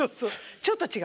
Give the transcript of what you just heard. ちょっと違う。